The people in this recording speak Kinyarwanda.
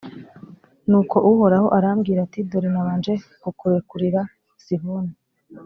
nuko uhoraho arambwira ati «dore nabanje kukurekurira sihoni